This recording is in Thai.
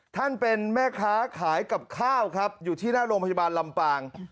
ท่านเป็นแม่ค้าขายกับข้าวครับอยู่ที่หน้าโรงพยาบาลลำปาง